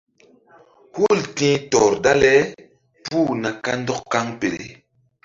Hul ti̧h tɔr dale puh na kandɔk kaŋpele.